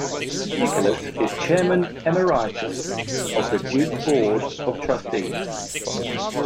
Nicholas is Chairman Emeritus of the Duke Board of Trustees.